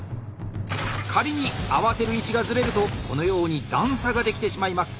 仮に合わせる位置がずれるとこのように段差が出来てしまいます。